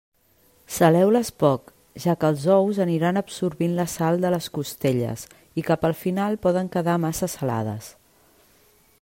Saleu-les poc, ja que els ous aniran absorbint la sal de les costelles i cap al final poden quedar massa salades.